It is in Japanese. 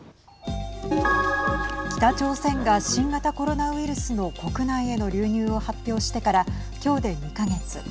北朝鮮が新型コロナウイルスの国内への流入を発表してからきょうで２か月。